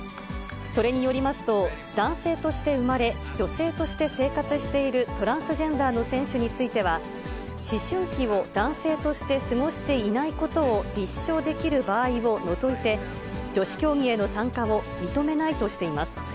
それによりますと、男性として生まれ、女性として生活しているトランスジェンダーの選手については、思春期を男性として過ごしていないことを立証できる場合を除いて、女子競技への参加を認めないとしています。